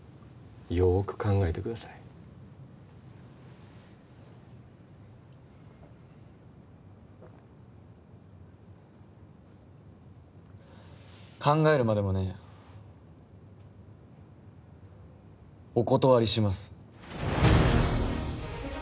よく考えてください考えるまでもねえよお断りします